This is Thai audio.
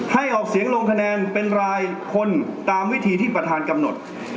ออกเสียงลงคะแนนเป็นรายคนตามวิธีที่ประธานกำหนด